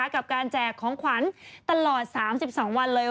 กับการแจกของขวัญตลอด๓๒วันเลย